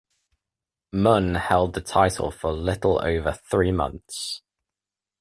Munn held the title for a little over three months.